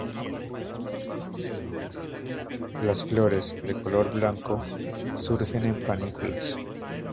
Las flores, de color blanco, surgen en panículas.